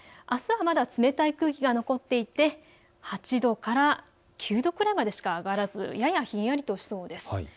あすはまだ冷たい空気が残っていて８度から９度くらいまでしか上がらずややひんやりとしそうです。